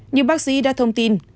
như bác sĩ đã thông tin